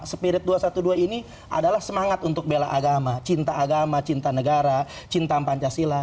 spirit dua ratus dua belas ini adalah semangat untuk bela agama cinta agama cinta negara cinta pancasila